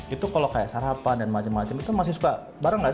itu kalau kayak sarapan dan macam macam itu masih suka bareng gak sih